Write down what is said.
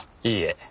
いいえ。